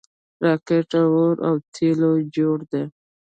راکټ له اور او تیلو جوړ دی